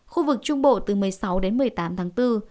khu vực trung bộ từ một mươi sáu đến một mươi tám tháng bốn